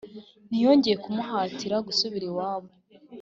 ntiyongeye kumuhatira gusubira iwabo